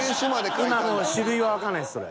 今の種類はわかんないですそれ。